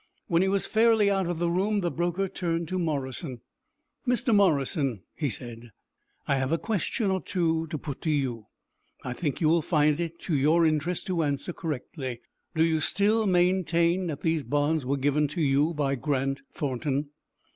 When he was fairly out of the room, the broker turned to Morrison. "Mr. Morrison," he said, "I have a question or two to put to you. I think you will find it to your interest to answer correctly. Do you still maintain that these bonds were given you by Grant Thornton?"